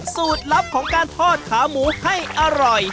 สูตรลับของการทอดขาหมูให้อร่อย